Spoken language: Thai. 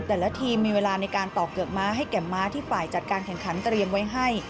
แต่ละทีมมีเวลาในการต่อเกือกม้าให้แก่ม้าที่ฝ่ายจัดการแข่งขันเตรียมไว้ให้